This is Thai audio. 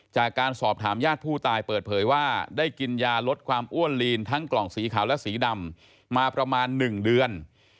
จากการสอบถามญาติผู้ตายเปิดเผยว่าได้กินยาลดความอ้วนลีนทั้งกล่องสีขาวและสีดำมาประมาณ๑เดือน